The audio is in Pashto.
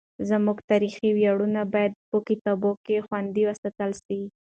زموږ تاریخي ویاړونه باید په کتابونو کې خوندي وساتل سي.